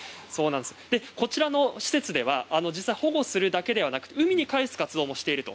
こちらの施設では保護するだけでなく海に返す活動もしていると。